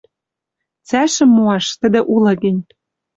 Цӓшӹм моаш, тӹдӹ улы гӹнь.